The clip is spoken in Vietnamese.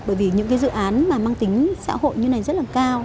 bởi vì những cái dự án mà mang tính xã hội như này rất là cao